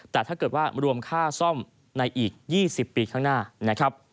แต่ถ้าเกิดว่ารวมค่าซ่อมในอีก๒๐ปีข้างหน้านะครับ